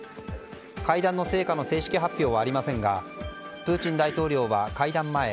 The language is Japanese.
会談の成果の正式発表はありませんがプーチン大統領は会談前